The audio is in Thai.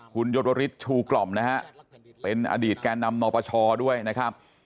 คุณยศวริสชูกล่อมนะฮะเป็นอดีตแก่นำนปชด้วยนะครับ